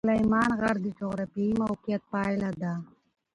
سلیمان غر د جغرافیایي موقیعت پایله ده.